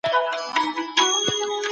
دا به د هغوی د اړيکو د لا خوږوالي سبب هم سي